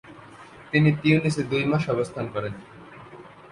তিনি তিউনিসে দুই মাস আবস্থান করেন।